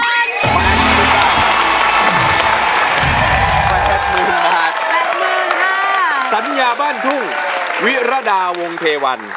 แปดหมื่นค่ะแปดหมื่นค่ะสัญญาบ้านทุ่งวิรดาวงเทวัน